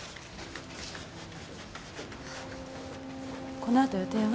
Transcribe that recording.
このあと予定は？